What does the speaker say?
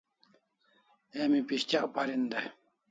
Emi pes'tyak parin dai